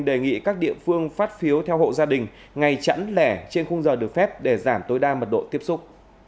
đề nghị các địa phương phát phiếu theo hộ gia đình ngày chẵn lẻ trên khung giờ được phép để giảm tối đa mật độ tiếp xúc